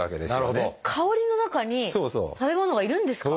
香りの中に食べ物がいるんですか？